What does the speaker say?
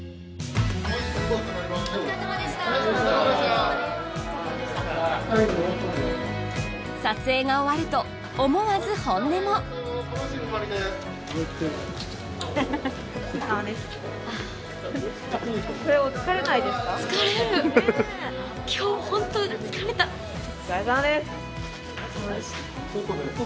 お疲れさまでした撮影が終わると思わず本音もお疲れさまですお疲れさまです！